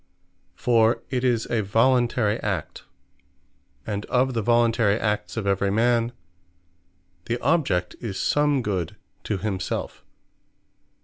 For it is a voluntary act: and of the voluntary acts of every man, the object is some Good To Himselfe.